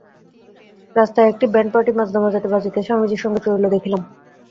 রাস্তায় একটি band party বাজনা বাজাইতে বাজাইতে স্বামীজীর সঙ্গে চলিল, দেখিলাম।